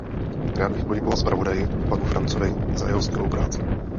Rád bych poděkoval zpravodaji, panu Françovi, za jeho skvělou práci.